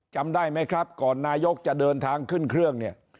จำได้ไหมครับก่อนนายกจะเดินทางขึ้นเครื่องเนี่ย